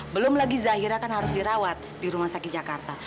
belum lagi zahira kan harus dirawat di rumah sakit jakarta